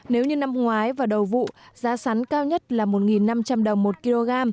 nếu như năm ngoái và đầu vụ giá sắn cao nhất là một năm trăm linh đồng một kg